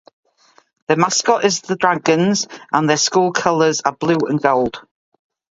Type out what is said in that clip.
Their mascot is the Dragons, and their school colors are blue and gold.